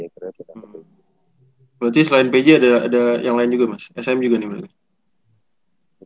keren ya kita ketemu gitu ya